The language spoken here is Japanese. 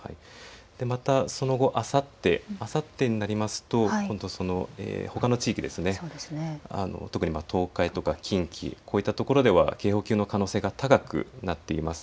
またその後、あさってになるとほかの地域で東海とか近畿、こういった所では警報級の可能性が高くなっています。